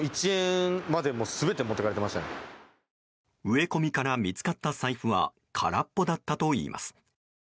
植え込みから見つかった財布は空っぽだったといいます。